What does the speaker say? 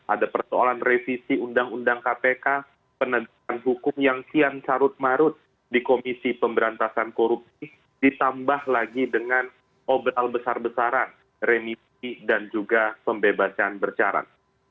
ada persoalan revisi undang undang kpk penegakan hukum yang kian carut marut di komisi pemberantasan korupsi ditambah lagi dengan obel besar besaran remisi dan juga pembebasan bercarat